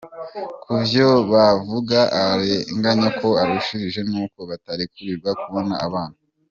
Kuvyo bavuga, akarenganyo karushirije n'uko batarekurirwa kubona abana.